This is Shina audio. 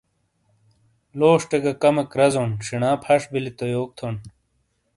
لوشٹے گہ کمیک رزونڈ شینا پھش بیلی تو یوک تھونڈ